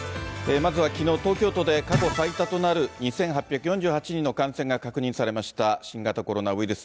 まずはきのう、東京都で過去最多となる、２８４８人の感染が確認されました新型コロナウイルス。